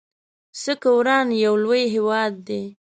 څه که وران يو لوی هيواد دی